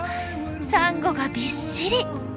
サンゴがびっしり！